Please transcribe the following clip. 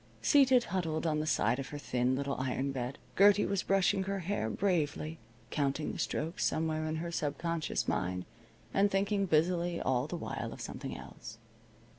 Seated huddled on the side of her thin little iron bed, Gertie was brushing her hair bravely, counting the strokes somewhere in her sub conscious mind and thinking busily all the while of something else.